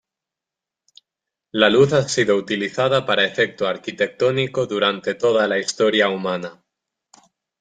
La luz ha sido utilizada para efecto arquitectónico durante toda la historia humana.